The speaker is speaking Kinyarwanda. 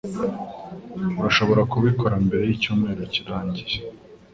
Urashobora kubikora mbere yicyumweru kirangiye?